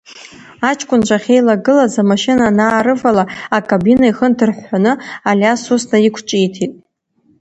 Аҷкәынцәа ахьеилагылаз амашьына анаарывала, акабина ихы нҭырҳәҳәаны Алиас ус наиқәҿиҭит…